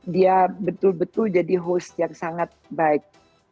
dia betul betul jadi host yang sangat baik